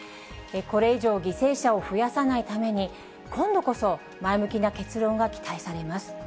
これ以上、犠牲者を増やさないために、今度こそ前向きな結論が期待されます。